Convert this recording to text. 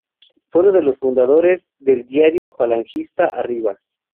Fue uno de los fundadores del diario falangista "Arriba".